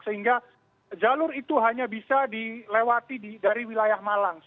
sehingga jalur itu hanya bisa dilewati dari wilayah malang